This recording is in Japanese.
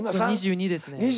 ２２ですね。